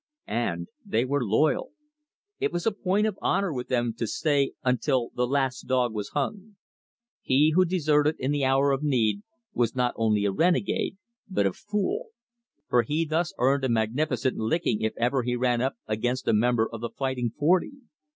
And they were loyal. It was a point of honor with them to stay "until the last dog was hung." He who deserted in the hour of need was not only a renegade, but a fool. For he thus earned a magnificent licking if ever he ran up against a member of the "Fighting Forty."